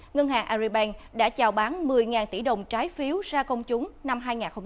ngân hàng agribank đã chào bán một mươi tỷ đồng trái phiếu ra công chúng năm hai nghìn hai mươi